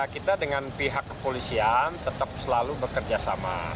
kita dengan pihak kepolisian tetap selalu bekerjasama